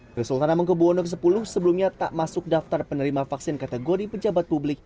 sri sultan hamengkebuwono x sebelumnya tak masuk daftar penerima vaksin kategori pejabat publik